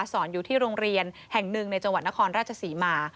สอนอยู่ที่โรงเรียนแห่งหนึ่งในจังหวัดนครราชศรีมา